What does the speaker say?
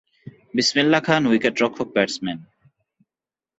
বিসমিল্লাহ খান উইকেটরক্ষক ব্যাটসম্যান।